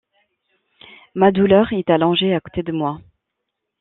Ma douleur est allongée à côté de moi.